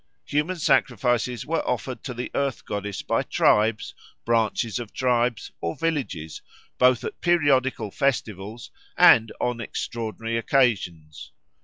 Human sacrifices were offered to the Earth Goddess by tribes, branches of tribes, or villages, both at periodical festivals and on extraordinary occasions.